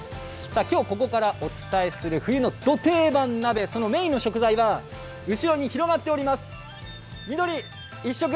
今日ここからお伝えする冬のド定番鍋、そのメインの食材は後ろに広がっています、緑一色！